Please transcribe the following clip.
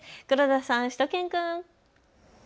黒田さん、しゅと犬くん。